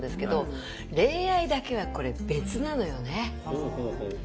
ほうほうほうほう。